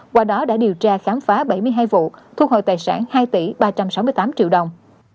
qua đó đã điều tra khám phá bảy mươi hai vụ thu hồi tài sản hai tỷ ba trăm sáu mươi tám triệu đồng